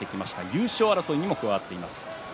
優勝争いにも加わっています。